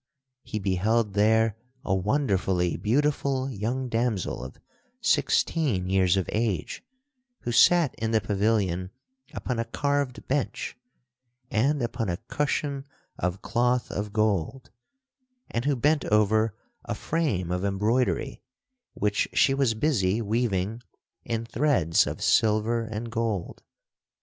he beheld there a wonderfully beautiful young damsel of sixteen years of age who sat in the pavilion upon a carved bench and upon a cushion of cloth of gold, and who bent over a frame of embroidery, which she was busy weaving in threads of silver and gold.